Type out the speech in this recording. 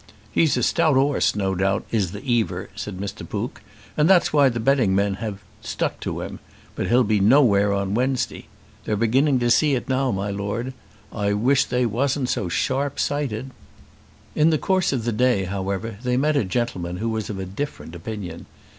"He's a stout 'orse, no doubt, is the 'Eaver," said Mr. Pook, "and that's why the betting men have stuck to him. But he'll be nowhere on Wednesday. They're beginning to see it now, my Lord. I wish they wasn't so sharp sighted." In the course of the day, however, they met a gentleman who was of a different opinion.